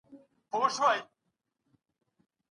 ړوند سړی باید له ږیري سره بې ډاره اتڼ وکړي.